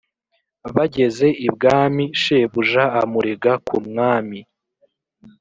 bageze ibwami shebuja amurega ku mwami